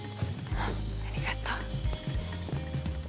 ありがとう。